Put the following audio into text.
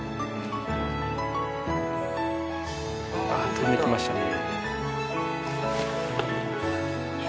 飛んでいきましたね。